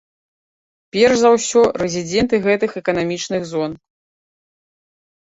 Перш за ўсё, рэзідэнты гэтых эканамічных зон.